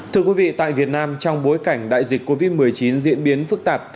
thưa quý vị tại việt nam trong bối cảnh đại dịch covid một mươi chín diễn biến phức tạp